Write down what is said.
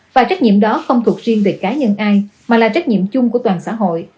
và trách nhiệm đó không thuộc riêng về cá nhân ai mà là trách nhiệm chung của toàn xã hội